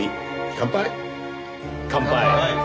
乾杯。